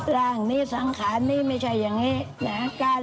ร่างนี้สังขารนี้ไม่ใช่อย่างนี้นะ